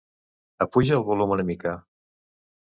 Apuja el volum una mica.